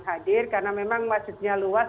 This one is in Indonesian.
hadir karena memang masjidnya luas